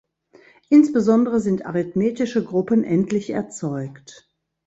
Insbesondere sind arithmetische Gruppen endlich erzeugt.